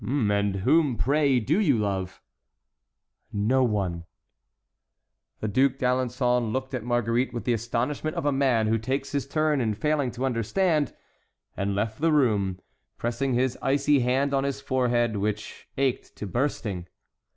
"And whom, pray, do you love?" "No one." The Duc d'Alençon looked at Marguerite with the astonishment of a man who takes his turn in failing to understand, and left the room, pressing his icy hand on his forehead, which ached to bursting.